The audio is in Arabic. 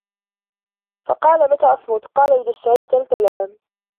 فَقَالَ مَتَى أَصْمُتُ ؟ قَالَ إذَا اشْتَهَيْتَ الْكَلَامَ